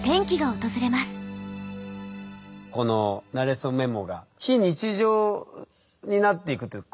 この「なれそメモ」が「非日常になっていく」っていうことですか？